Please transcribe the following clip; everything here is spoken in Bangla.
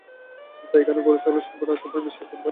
তাই এখানে গরু-ছাগলের সংকট আছে, এটা আমি বিশ্বাস করতে পারি না।